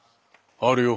あるよ。